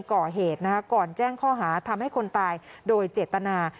ก่อเหตุนะคะก่อนแจ้งข้อหาทำให้คนตายโดยเจตนา